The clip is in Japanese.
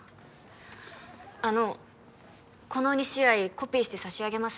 あのこの２試合コピーして差し上げます